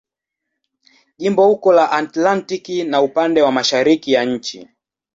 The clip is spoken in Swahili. Jimbo uko la Atlantiki na upande wa mashariki ya nchi.